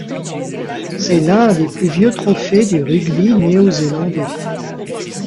C'est l'un des plus vieux trophées du rugby néo-zélandais.